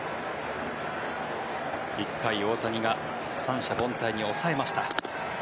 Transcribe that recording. １回、大谷が三者凡退に抑えました。